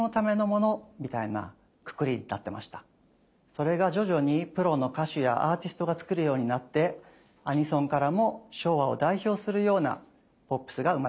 それが徐々にプロの歌手やアーティストが作るようになってアニソンからも昭和を代表するようなポップスが生まれていったのです。